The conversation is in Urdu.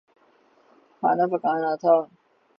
کھانا پکانا تھا